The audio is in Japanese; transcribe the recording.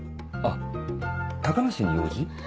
あっ高梨に用事？